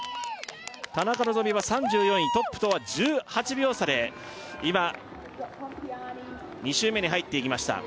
田中希実は３４位トップとは１８秒差で今２周目に入っていきました